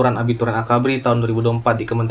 saya berterima kasih kepada anda